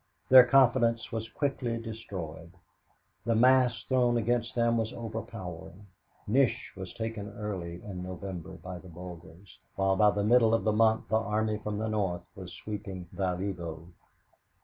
Their confidence was quickly destroyed. The mass thrown against them was overpowering. Nish was taken early in November by the Bulgars, while by the middle of the month the army from the north was sweeping Valievo.